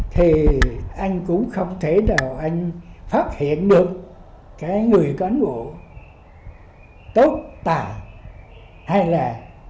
thì anh cũng không thể nào anh phát hiện được cái người cán bộ tốt tà hay là